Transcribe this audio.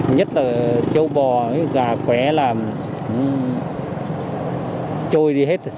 nhất là châu bò gà khỏe là trôi đi hết